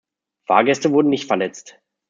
Fahrgäste wurden nicht verletzt.